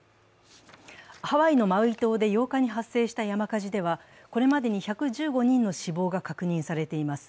ハワイのマウイ島で８日に発生した山火事では、これまでに１１５人の死亡が確認されています。